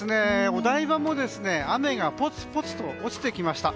お台場も雨がぽつぽつと落ちてきました。